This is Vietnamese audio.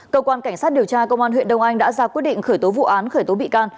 cơ quan cảnh sát điều tra công an huyện đông anh đã ra quyết định khởi tố vụ án khởi tố bị can